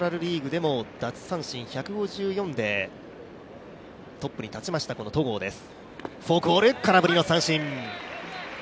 でも奪三振１５４でトップに立ちました戸郷です。